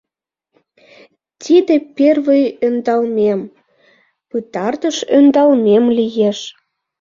Тиде первый ӧндалмем, пытартыш ӧндалмем лиеш...